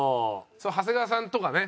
長谷川さんとかね